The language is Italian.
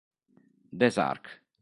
Des Arc